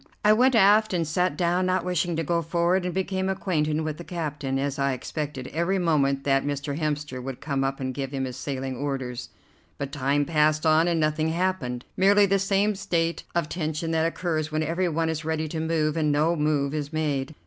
I went aft and sat down, not wishing to go forward and became acquainted with the captain, as I expected every moment that Mr. Hemster would come up and give him his sailing orders. But time passed on and nothing happened, merely the same state of tension that occurs when every one is ready to move and no move is made.